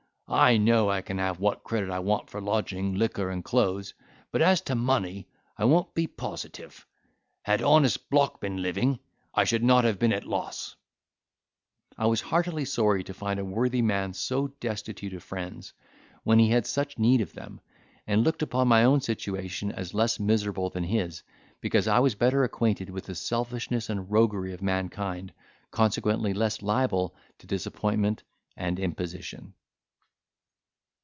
I know I can have what credit I want for lodging, liquor, and clothes; but as to money, I won't be positive. Had honest Block been living, I should not have been at loss." I was heartily sorry to find a worthy man so destitute of friends, when he had such need of them, and looked upon my own situation as less miserable than his, because I was better acquainted with the selfishness and roguery of mankind, consequently less liable to disappointment and imposition.